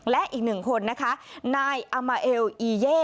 และอีกหนึ่งคนนะคะนายอามาเอลอีเย่